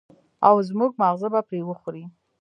او زموږ ماغزه به پرې وخوري.